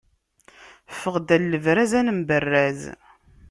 Ffeɣ-d ar lebraz, ad nemberraz!